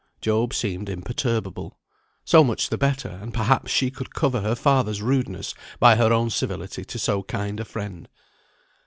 Job seemed imperturbable. So much the better, and perhaps she could cover her father's rudeness by her own civility to so kind a friend.